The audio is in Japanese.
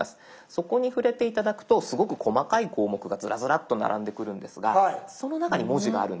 そこに触れて頂くとすごく細かい項目がずらずらっと並んでくるんですがその中に文字があるんです。